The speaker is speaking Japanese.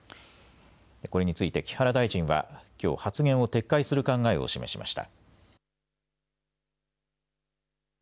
これについて、木原大臣はきょう発言を撤回する考えを示しました。